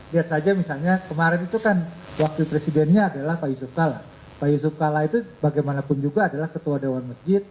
lihat saja misalnya kemarin itu kan wakil presidennya adalah pak yusuf kalla pak yusuf kalla itu bagaimanapun juga adalah ketua dewan masjid